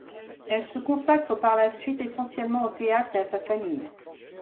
Elle se consacre par la suite essentiellement au théâtre et à sa famille.